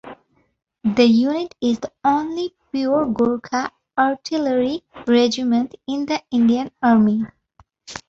The unit is the only pure Gorkha artillery regiment in the Indian Army.